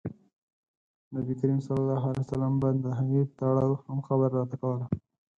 نبي کریم ص به د هغې په تړاو هم خبره راته کوله.